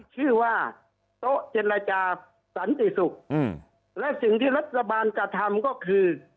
ชื่อว่าโต๊ะเจรจาสันติศุกร์และสิ่งที่รัฐบาลกระทำก็คือ